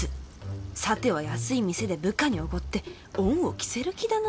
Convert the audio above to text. さては安い店で部下におごって恩を着せる気だな？